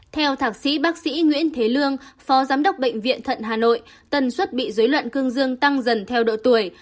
theo thạc sĩ bác sĩ nguyễn thế lương phó giám đốc bệnh viện thận hà nội tần suất bị dối loạn cương dương tăng dần theo độ tuổi